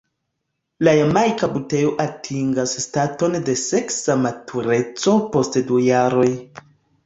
La Jamajka buteo atingas staton de seksa matureco post du jaroj.